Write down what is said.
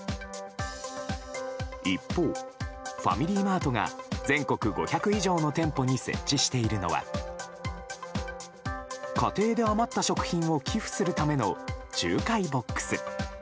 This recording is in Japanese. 一方、ファミリーマートが全国５００以上の店舗に設置しているのは家庭で余った食品を寄付するための仲介ボックス。